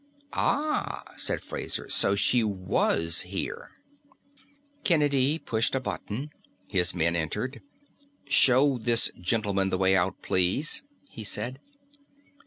"Ah," said Fraser, "so she was here." Kennedy pushed a button. His men entered. "Show this gentleman the way out, please," he said.